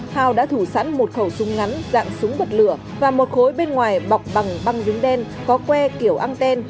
hào đã thủ sẵn một khẩu súng ngắn dạng súng bật lửa và một khối bên ngoài bọc bằng băng dứng đen có que kiểu anten